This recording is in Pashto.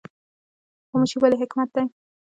خاموشي ولې حکمت دی؟